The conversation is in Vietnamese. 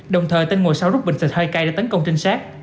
đồng thời tên ngồi sau rút bình xịt hơi cay đã tấn công trinh sát